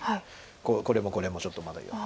これもこれもちょっとまだ。